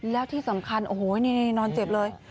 แล้วที่สำคัญโอ้โหนี่นอนเจ็บเลย